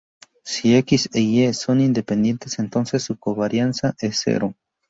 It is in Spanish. Si "X" e "Y" son independientes, entonces su covarianza es cero.